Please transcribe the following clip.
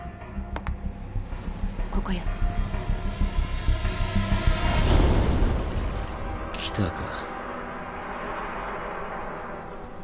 ここよ。来たか。